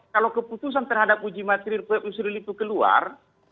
kalau keputusan terhadap uji materi yusril itu keluar